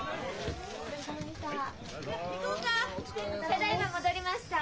ただいま戻りました。